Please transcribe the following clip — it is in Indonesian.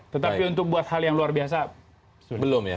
tetapi untuk buat hal yang luar biasa belum ya